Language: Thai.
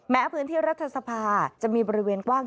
พื้นที่รัฐสภาจะมีบริเวณกว้าง